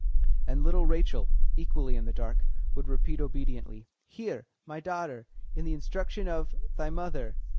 And little Rachel, equally in the dark, would repeat obediently, "Hear my daughter the instruction of thy mother."